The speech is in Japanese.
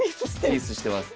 ピースしてます。